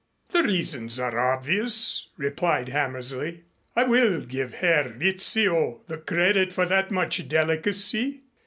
"The reasons are obvious," replied Hammersley. "I will give Herr Rizzio the credit for that much delicacy.